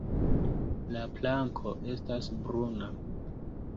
La planko estas bruna.